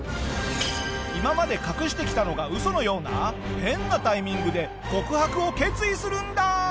今まで隠してきたのがウソのような変なタイミングで告白を決意するんだ！